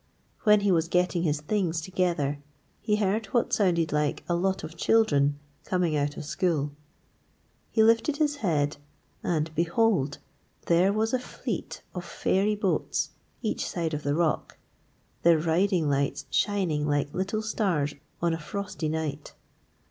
When he was getting his things together he heard what sounded like a lot of children coming out of school. He lifted his head, and, behold, there was a fleet of fairy boats each side of the rock, their riding lights shining like little stars on a frosty night.